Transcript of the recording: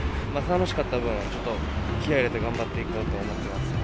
楽しかった分、ちょっと気合い入れて頑張っていこうと思ってます。